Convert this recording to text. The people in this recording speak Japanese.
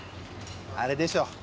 あれでしょ。